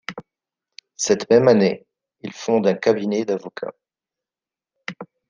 Cette même année, il fonde un cabinet d'avocat.